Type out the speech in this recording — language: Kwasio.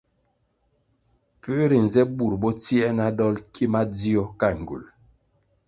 Pue rinze vi burʼ bo tsie na dolʼ ki madzio ka ngywulʼ?